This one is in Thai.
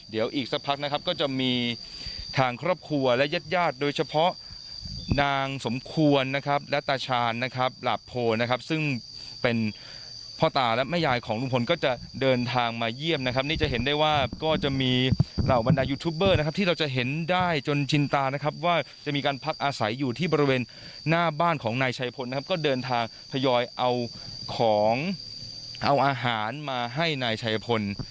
เดี๋ยวอีกสักพักนะครับก็จะมีทางครอบครัวและญาติโดยเฉพาะนางสมควรนะครับและตาชาญนะครับหลับโพลนะครับซึ่งเป็นพ่อตาและแม่ยายของลุงพลก็จะเดินทางมาเยี่ยมนะครับนี่จะเห็นได้ว่าก็จะมีเหล่าบรรดายูทูปเบอร์นะครับที่เราจะเห็นได้จนจินตานะครับว่าจะมีการพักอาศัยอยู่ที่บริเวณหน้าบ้านของนายชายพ